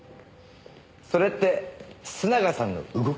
それって須永さんの動き？